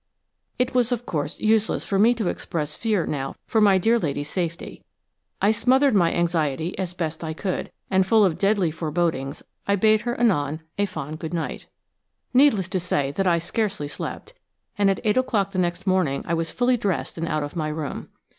It was, of course, useless for me to express fear now for my dear lady's safety. I smothered my anxiety as best I could, and, full of deadly forebodings, I bade her anon a fond good night. Needless to say that I scarcely slept, and at eight o'clock the next morning I was fully dressed and out of my room.